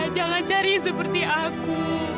jangan cari seperti aku